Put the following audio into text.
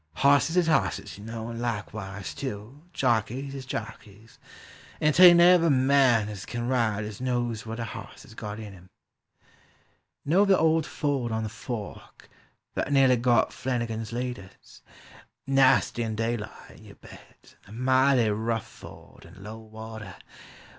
Hosses is hosses, you know, and likewise, too, jockeys is jockeys; And 'tain't every man as can ride as knows what a hoss has got in him. Know the old ford on the Fork, that nearly got Flanigan's leaders? Nasty in daylight, you bet, and a mighty rough ford in low water!